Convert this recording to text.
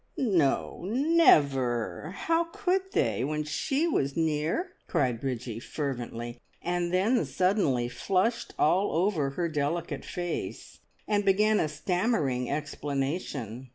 "No, never; how could they when she was near?" cried Bridgie fervently, and then suddenly flushed all over her delicate face and began a stammering explanation.